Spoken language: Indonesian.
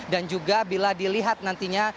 dan juga bila dilihat nantinya